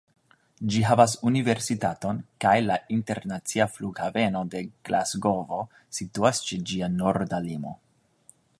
Ĝi havas universitaton, kaj la internacia flughaveno de Glasgovo situas ĉe ĝia norda limo.